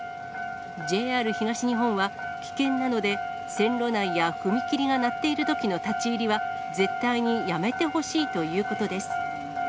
ＪＲ東日本は、危険なので、線路内や踏切が鳴っているときの立ち入りは、絶対にやめてほしいということです。